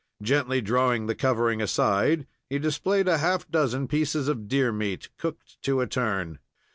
Gently drawing the covering aside, he displayed a half dozen pieces of deer meat, cooked to a turn.